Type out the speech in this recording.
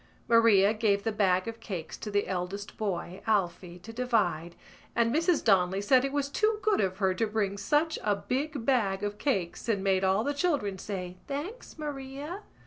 Maria gave the bag of cakes to the eldest boy, Alphy, to divide and Mrs Donnelly said it was too good of her to bring such a big bag of cakes and made all the children say: "Thanks, Maria."